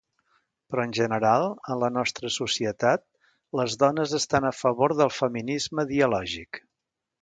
Però, en general, en la nostra societat, les dones estan a favor del feminisme dialògic.